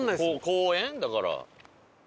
公園？だから。